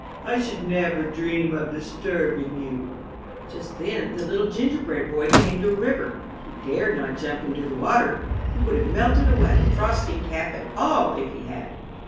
I should never dream of disturbing you/' Just then the Little Gingerbread Boy came to a river. He dared not jump into the water (he would have melted away, frosting cap and all if he had).